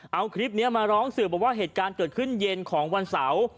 เอาคลิปนี้มาร้องสื่อบอกว่าเหตุการณ์เกิดขึ้นเย็นของวันเสาร์